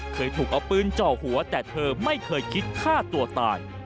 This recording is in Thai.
เคยถูกเอาปืนจ่อหัวแต่เธอไม่เคยคิดฆ่าตัวตาย